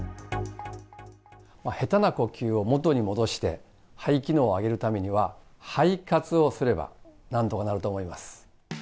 下手な呼吸を元に戻して、肺機能を上げるためには、肺活をすれば、なんとかなると思います。